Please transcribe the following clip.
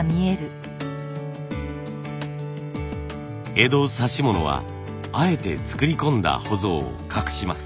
江戸指物はあえて作り込んだほぞを隠します。